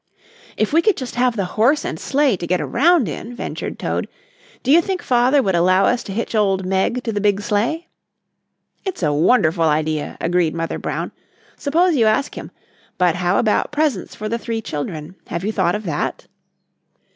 "If we could just have the horse and sleigh to get around in," ventured Toad. "Do you think Father would allow us to hitch old Meg to the big sleigh?" "It's a wonderful idea," agreed Mother Brown. "Suppose you ask him. But how about presents for the three children? Have you thought of that?"